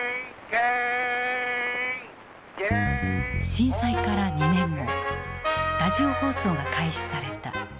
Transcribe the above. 震災から２年後ラジオ放送が開始された。